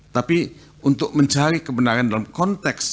tapi untuk mencari kebenaran dalam konteks